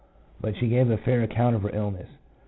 but she gave a fair account of her illness.